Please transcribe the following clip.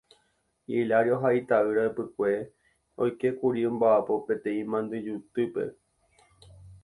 Hilario ha itaýra ypykue oikékuri omba'apo peteĩ Mandyjutýpe.